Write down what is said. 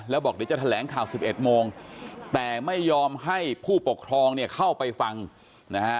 แล้วบอกเดี๋ยวจะแถลงข่าว๑๑โมงแต่ไม่ยอมให้ผู้ปกครองเนี่ยเข้าไปฟังนะฮะ